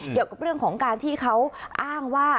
เกี่ยวกับเรื่องของการที่เขาอ้างว่า